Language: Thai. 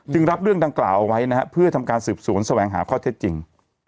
รับเรื่องดังกล่าวเอาไว้นะฮะเพื่อทำการสืบสวนแสวงหาข้อเท็จจริง